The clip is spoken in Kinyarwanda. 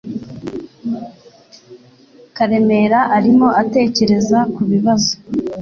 Karemera arimo atekereza kubibazo.